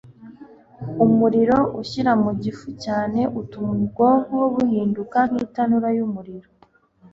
umuriro ushyira mu gifu cyawe utuma ubwonko buhinduka nk'itanura ry'umuriro